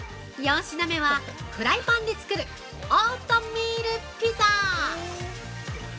４品目は、フライパンで作るオートミールピザ。